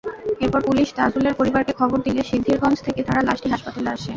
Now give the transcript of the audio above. এরপর পুলিশ তাজুলের পরিবারকে খবর দিলে সিদ্ধিরগঞ্জ থেকে তারা লাশটি হাসপাতালে আসে।